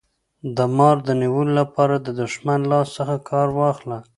د مار د نیولو لپاره د دښمن د لاس څخه کار واخله.